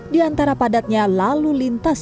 di antara padatnya lalu lintas